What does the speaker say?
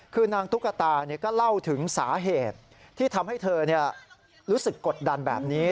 คือนางตุ๊กตาก็เล่าถึงสาเหตุที่ทำให้เธอรู้สึกกดดันแบบนี้